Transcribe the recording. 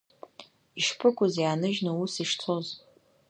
Ишԥыкәыз иааныжьны ус ишцоз!